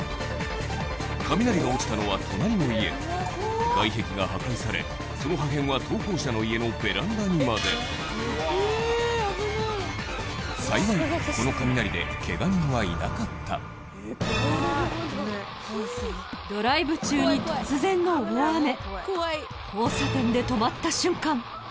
カミナリが落ちたのは外壁が破壊されその破片は投稿者の家のベランダにまで幸いこのカミナリでケガ人はいなかったドライブ中に突然の大雨交差点で止まった瞬間